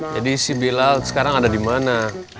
jadi si pilal sekarang ada dimana